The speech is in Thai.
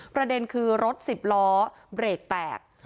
ประเด็นคือรถสิบล้อเบรกแตก